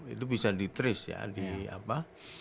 itu bisa di trace ya di apa